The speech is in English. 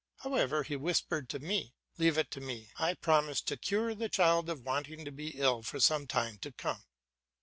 However, he whispered to me, "Leave it to me, I promise to cure the child of wanting to be ill for some time to come."